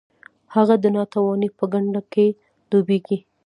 هغه د ناتوانۍ په کنده کې ډوبیږي.